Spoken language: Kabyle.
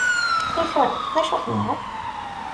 I tura, d acu tenniḍ?